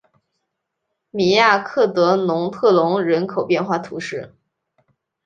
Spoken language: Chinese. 米亚克德农特龙人口变化图示